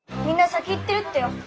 みんな先行ってるってよ。